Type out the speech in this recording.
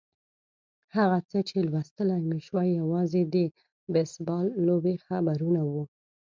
هغه څه چې لوستلای مې شوای یوازې د بېسبال لوبې خبرونه وو.